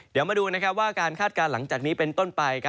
เดี๋ยวมาดูว่าการคาดการณ์หลังจากนี้เป็นต้นไป